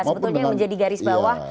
sebetulnya menjadi garis bawah